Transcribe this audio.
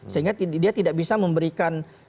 sehingga dia tidak bisa memberikan